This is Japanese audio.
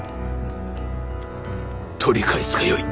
取り返すがよい。